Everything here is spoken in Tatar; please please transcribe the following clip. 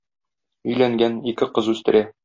Өйләнгән, ике кыз үстерә.